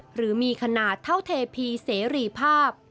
หรือมีขนาดเท่าเทพีเสรีภาพ